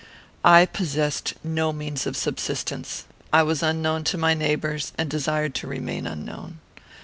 "I possessed no means of subsistence. I was unknown to my neighbours, and desired to remain unknown.